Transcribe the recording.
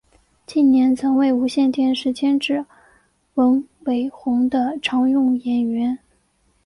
近年曾为无线电视监制文伟鸿的常用演员。